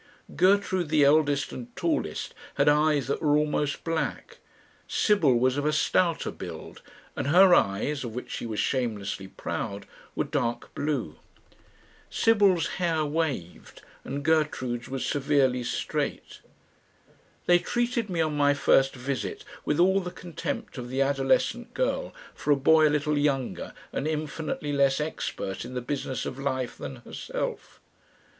Gertrude, the eldest and tallest, had eyes that were almost black; Sibyl was of a stouter build, and her eyes, of which she was shamelessly proud, were dark blue. Sibyl's hair waved, and Gertrude's was severely straight. They treated me on my first visit with all the contempt of the adolescent girl for a boy a little younger and infinitely less expert in the business of life than herself.